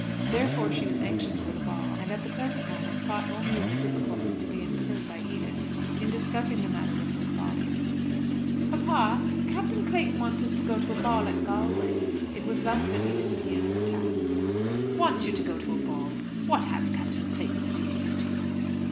Therefore she was anxious for the ball; and at the present moment thought only of the difficulties to be incurred by Edith in discussing the matter with her father. "Papa, Captain Clayton wants us to go to a ball at Galway," it was thus that Edith began her task. "Wants you to go a ball! What has Captain Clayton to do with you two?"